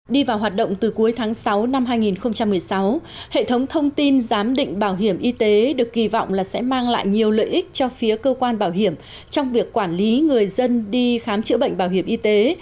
đi vào hoạt động từ cuối tháng sáu năm hai nghìn một mươi sáu hệ thống thông tin giám định bảo hiểm y tế được kỳ vọng là sẽ mang lại nhiều lợi ích cho phía cơ quan bảo hiểm trong việc quản lý người dân đi khám chữa bệnh bảo hiểm y tế